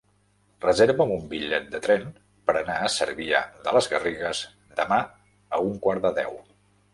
Reserva'm un bitllet de tren per anar a Cervià de les Garrigues demà a un quart de deu.